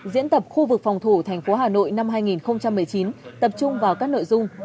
diễn tập khu vực phòng thủ thành phố hà nội năm hai nghìn một mươi chín tập trung vào các nội dung